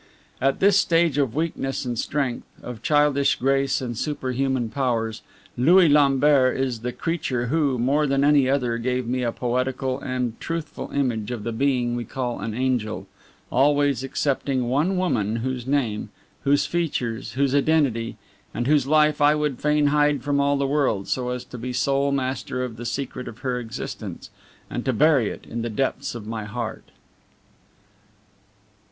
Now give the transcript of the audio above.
At this stage of weakness and strength, of childish grace and superhuman powers, Louis Lambert is the creature who, more than any other, gave me a poetical and truthful image of the being we call an angel, always excepting one woman whose name, whose features, whose identity, and whose life I would fain hide from all the world, so as to be sole master of the secret of her existence, and to bury it in the depths of my heart.